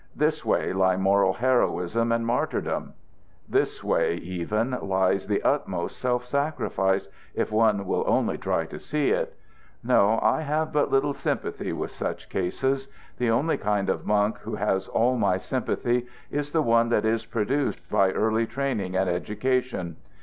This way lie moral heroism and martyrdom. This way, even, lies the utmost self sacrifice, if one will only try to see it. No, I have but little sympathy with such cases. The only kind of monk who has all my sympathy is the one that is produced by early training and education.